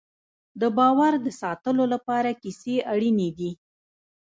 د باور د ساتلو لپاره کیسې اړینې دي.